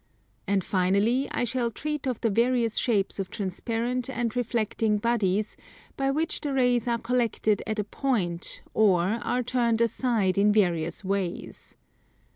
And finally I shall treat of the various shapes of transparent and reflecting bodies by which rays are collected at a point or are turned aside in various ways.